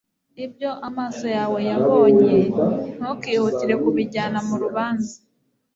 ibyo amaso yawe yabonye ntukihutire kubijyana mu rubanza